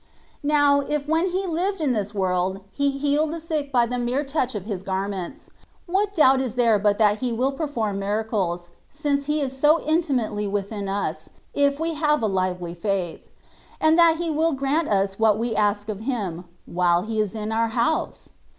Now^ if when He lived in this worlds He healed the sick by the mere touch of His garments^ what doubt is there but that He will perform miracles^ since He is so intimately within us^ if we have a lively faith; and that He will grant us what we ask of Him^ while He is in our house